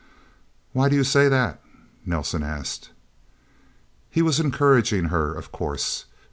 "Why do you say that?" Nelsen asked. He was encouraging her, of course.